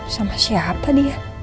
sama siapa dia